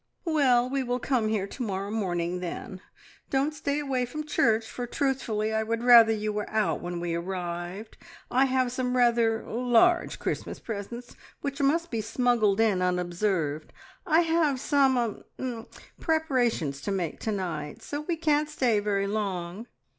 "Well, we will come here to morrow morning, then. Don't stay away from church, for, truthfully, I would rather you were out when we arrived. I have some rather large Christmas presents which must be smuggled in unobserved. I have some er preparations to make to night, so we can't stay very long."